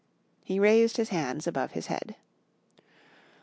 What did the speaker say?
He raised his hands above his head.